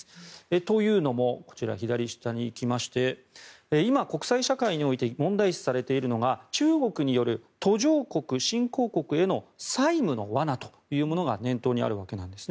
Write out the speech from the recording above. というのもこちら今、国際社会において問題視されているのが中国による途上国・新興国への債務の罠というものが念頭にあるわけなんです。